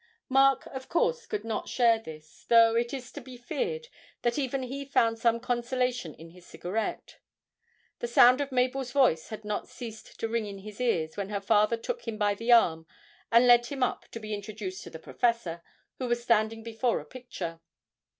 Mark, of course, could not share this, though it is to be feared that even he found some consolation in his cigarette; the sound of Mabel's voice had not ceased to ring in his ears when her father took him by the arm and led him up to be introduced to the professor, who was standing before a picture.